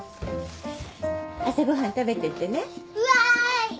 朝ご飯食べてってね。わい！